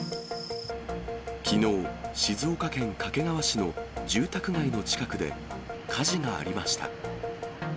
きのう、静岡県掛川市の住宅街の近くで、火事がありました。